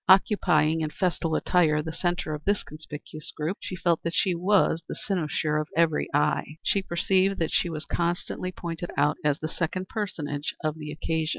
Occupying in festal attire the centre of this conspicuous group, she felt that she was the cynosure of every eye. She perceived that she was constantly pointed out as the second personage of the occasion.